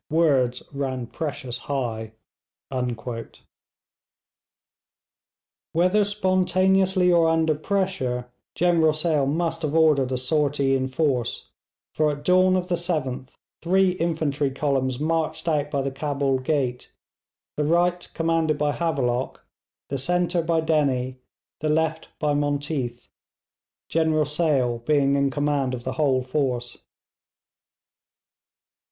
Words ran precious high....' Whether spontaneously or under pressure, General Sale must have ordered a sortie in force; for at dawn of the 7th three infantry columns marched out by the Cabul gate, the right commanded by Havelock, the centre by Dennie, the left by Monteath, General Sale being in command of the whole force.